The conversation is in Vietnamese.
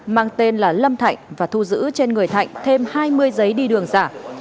mang tên là lâm thạnh và thu giữ trên người thạnh thêm hai mươi giấy đi đường giả